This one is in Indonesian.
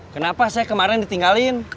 kenapa saya kemarin ditinggalin